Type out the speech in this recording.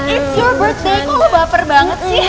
it's your birthday kok lo baper banget sih